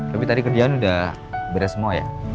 tapi tadi kerjaan udah beres semua ya